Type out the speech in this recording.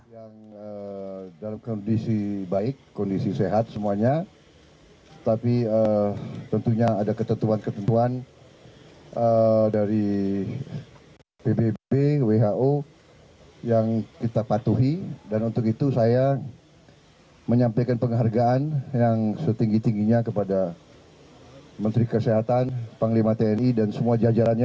yang dalam kondisi baik kondisi sehat semuanya tapi tentunya ada ketentuan ketentuan dari pbb who yang kita patuhi dan untuk itu saya menyampaikan penghargaan yang setinggi tingginya kepada menteri kesehatan panglima tni dan semua jajarannya